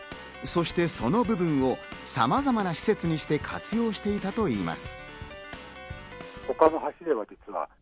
その部分をさまざまな施設にして活用していたといいます。